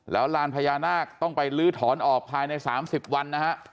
แล้วลานพญานาคต้องไปลื้อถอนออกภายใน๓๐วันนะฮะ